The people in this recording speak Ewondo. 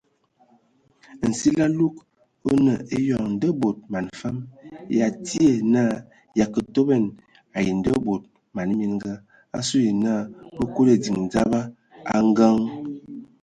Nsili alug o nə eyɔŋ nda bod man fam ya tie na ya kə toban ai ndabod man mininga asu ye na bə kuli ediŋ dzaba a ngəŋ.